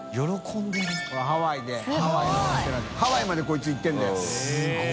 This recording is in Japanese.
ハワイまでこいつ行ってるんだよ柄本）